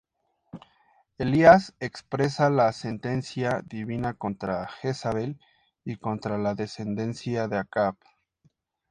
Elías expresa la sentencia divina contra Jezabel y contra la descendencia de Acab.